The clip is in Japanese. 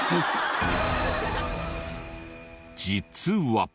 実は。